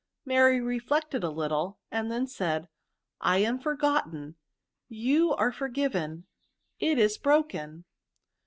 Mary reflected a little, and then said, —'^ I am forgotten, you are forgiven, it is broken."